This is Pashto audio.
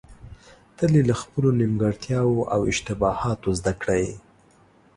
تل يې له خپلو نيمګړتياوو او اشتباهاتو زده کړئ.